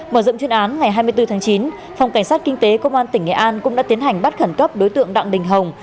mở rộng chuyên án ngày hai mươi bốn tháng chín phòng cảnh sát kinh tế công an tỉnh nghệ an cũng đã tiến hành bắt khẩn cấp đối tượng đặng đình hồng